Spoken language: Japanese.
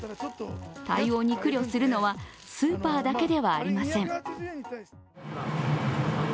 対応に苦慮するのはスーパーだけではありません。